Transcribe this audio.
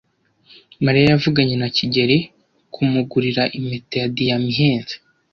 Mariya yavuganye na kigeli kumugurira impeta ya diyama ihenze.